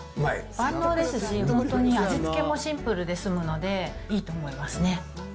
万能ですし、本当に味つけもシンプルで済むので、いいと思いますね。